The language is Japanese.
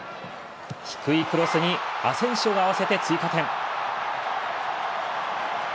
低いクロスにアセンシオが合わせて追加点。